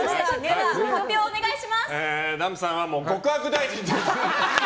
ダンプさんは極悪大臣です。